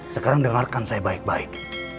sekarang dengarkan saya baik baik